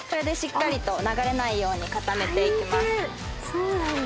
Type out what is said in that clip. そうなんだ。